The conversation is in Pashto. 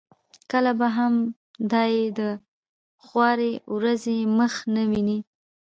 کله به هم دای د خوارې ورځې مخ نه وویني.